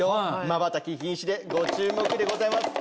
まばたき禁止でご注目でございます。